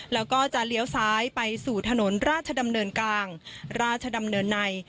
แล้วก็จะเลี้ยวซ้ายไปสู่ถนนราชดำเนินกลางราชดำเนินใน